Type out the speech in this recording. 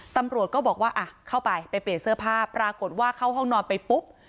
ตำรวจก็บอกว่าอ่ะเข้าไปไปเปลี่ยนเสื้อผ้าปรากฏว่าเข้าห้องนอนไปปุ๊บ